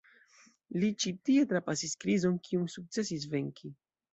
Li ĉi tie trapasis krizon, kiun sukcesis venki.